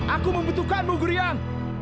aku membutuhkanmu gurian